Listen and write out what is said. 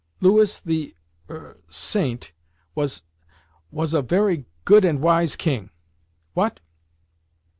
"Louis the er Saint was was a very good and wise king." "What?"